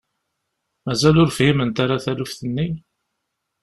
Mazal ur fhiment ara taluft-nni?